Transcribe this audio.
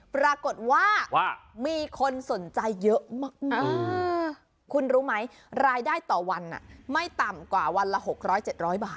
ปรากฏว่ามีคนสนใจเยอะมากคุณรู้ไหมรายได้ต่อวันไม่ต่ำกว่าวันละ๖๐๐๗๐๐บาท